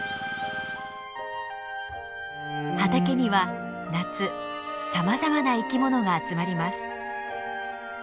畑には夏さまざまな生きものが集まります。